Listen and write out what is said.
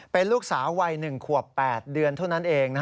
เป็นลูกสาววัย๑ขวบ๘เดือนเท่านั้นเอง